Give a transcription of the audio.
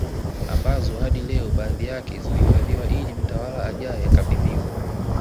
Ambazo hadi leo baadhi yake zimehifadhiwa ili mtawala ajaye akabidhiwe